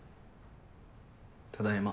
ただいま。